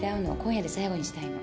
今夜で最後にしたいの。